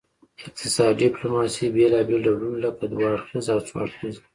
اقتصادي ډیپلوماسي بیلابیل ډولونه لري لکه دوه اړخیزه او څو اړخیزه